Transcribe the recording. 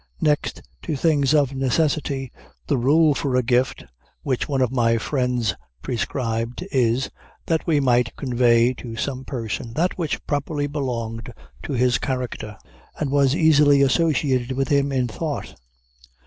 Next to things of necessity, the rule for a gift which one of my friends prescribed is, that we might convey to some person that which properly belonged to his character, and was easily associated with him in thought.